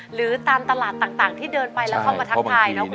หรือตามตลาดต่างที่เดินไปแล้วเข้ามาทักทายเนาะ